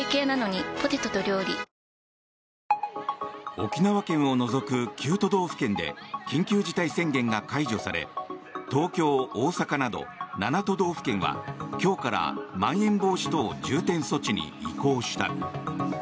沖縄県を除く９都道府県で緊急事態宣言が解除され東京、大阪など７都道府県は今日からまん延防止等重点措置に移行した。